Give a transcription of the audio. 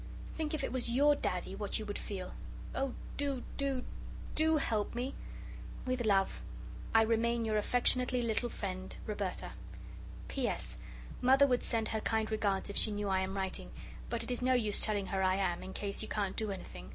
Think if it was YOUR Daddy, what you would feel. Oh, do, do, DO help me. With love "I remain Your affectionately little friend "Roberta. P.S. Mother would send her kind regards if she knew I am writing but it is no use telling her I am, in case you can't do anything.